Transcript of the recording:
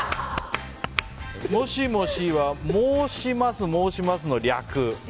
もしもしは申します申しますの略。